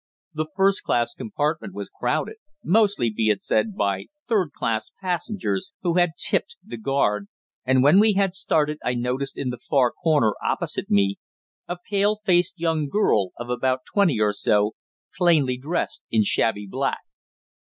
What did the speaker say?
The first class compartment was crowded, mostly be it said, by third class passengers who had "tipped" the guard, and when we had started I noticed in the far corner opposite me a pale faced young girl of about twenty or so, plainly dressed in shabby black.